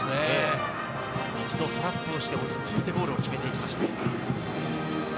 一度トラップをして、落ち着いてゴールを決めていきました。